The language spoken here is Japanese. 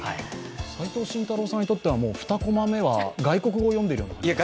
齋藤慎太郎さんにとっては２コマ目は外国語読んでる感じですか？